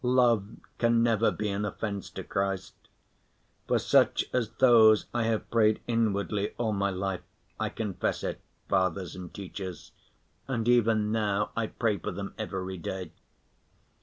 Love can never be an offense to Christ. For such as those I have prayed inwardly all my life, I confess it, fathers and teachers, and even now I pray for them every day.